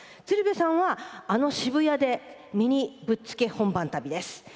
鶴瓶さんは、あの渋谷でぶっつけ本番旅です。